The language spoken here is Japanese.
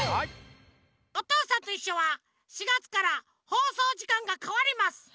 「おとうさんといっしょ」は４がつからほうそうじかんがかわります。